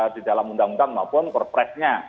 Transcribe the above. di dalam undang undang maupun perpresnya